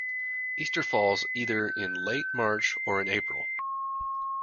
Easter falls either in late March or in April